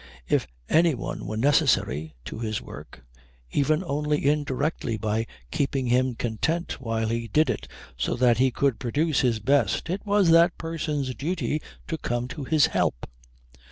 If any one were necessary to his work, even only indirectly by keeping him content while he did it so that he could produce his best, it was that person's duty to come to his help.